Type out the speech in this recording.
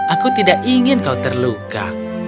aku tidak ingin kau terluka